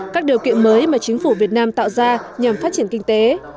các điều kiện mới mà chính phủ việt nam tạo ra nhằm phát triển kinh tế